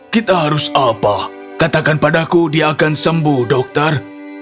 kita harus apa katakan padaku dia akan sembuh dokter